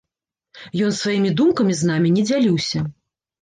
Ён сваімі думкамі з намі не дзяліўся.